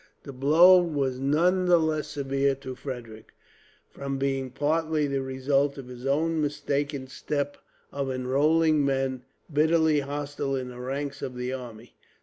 The blow was none the less severe, to Frederick, from being partly the result of his own mistaken step of enrolling men bitterly hostile in the ranks of the army.